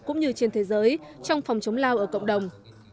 cũng như trên thế giới trong phòng chống lao ở cộng đồng